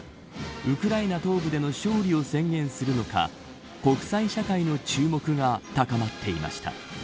ウクライナ東部での勝利を宣言するのか国際社会の注目が高まっていました。